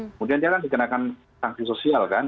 kemudian dia kan dikenakan sanksi sosial kan